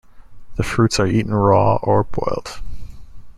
The fruits are eaten raw or boiled.